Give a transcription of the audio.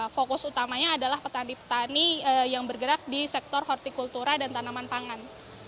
fokus utamanya adalah petani petani yang bergerak di sektor hortikultura dan tanaman pangan